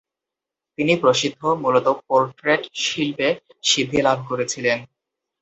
তিনি প্রসিদ্ধ, মূলত পোর্ট্রেট শিল্পে সিদ্ধি লাভ করেছিলেন।